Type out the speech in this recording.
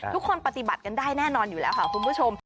ปฏิบัติกันได้แน่นอนอยู่แล้วค่ะคุณผู้ชม